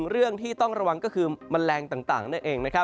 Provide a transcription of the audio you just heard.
เรื่องที่ต้องระวังก็คือแมลงต่างนั่นเอง